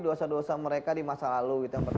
dosa dosa mereka di masa lalu